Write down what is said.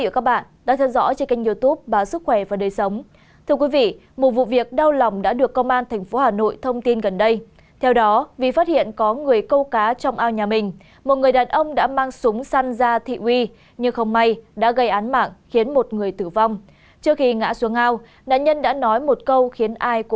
các bạn hãy đăng ký kênh để ủng hộ kênh của chúng mình nhé